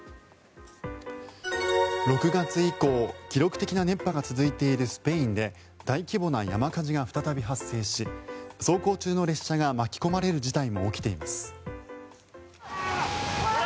６月以降、記録的な熱波が続いているスペインで大規模な山火事が再び発生し走行中の列車が巻き込まれる事態も起きています。